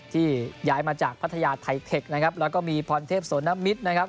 ที่ย้ายมาจากพัทยาไทเทคนะครับแล้วก็มีพรเทพโสนมิตรนะครับ